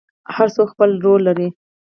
هر څوک خپل رول لري